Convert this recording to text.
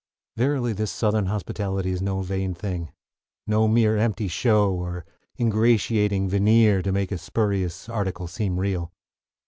Verily this Southern hospitality is no vain thing, no mere empty show, or ingratiating veneer to make a spurious article seem real.